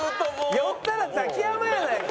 寄ったらザキヤマやないか！